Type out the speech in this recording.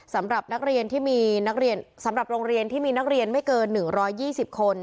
สำหรับนักเรียนที่มีนักเรียนสำหรับโรงเรียนที่มีนักเรียนไม่เกิน๑๒๐คน